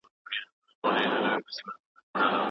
ورزش فشار راکموي.